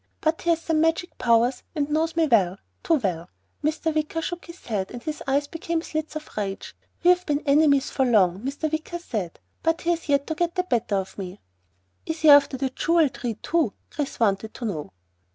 But he has some magic powers, and knows me well. Too well." Mr. Wicker shook his head and his eyes became slits of rage. "We have been enemies for long," said Mr. Wicker, "but he has yet to get the better of me." "Is he after the Jewel Tree too?" Chris wanted to know.